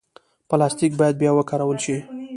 پلاستيک باید بیا وکارول شي.